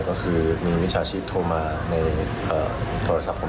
ก็คือมีมิจฉาชีพโทรมาในโทรศัพท์ผม